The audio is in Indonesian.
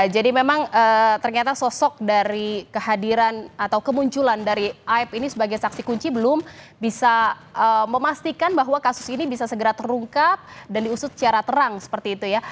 memang ternyata sosok dari kehadiran atau kemunculan dari aib ini sebagai saksi kunci belum bisa memastikan bahwa kasus ini bisa segera terungkap dan diusut secara terang seperti itu ya